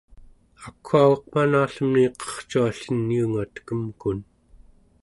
akwaugaq manallemni qercualliniunga tekemkun